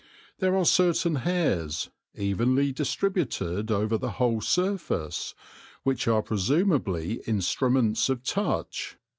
There are certain hairs, evenly distributed over the whole surface, which are pre sumably instruments of touch.